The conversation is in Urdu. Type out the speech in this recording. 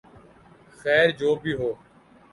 خیر جو بھی ہو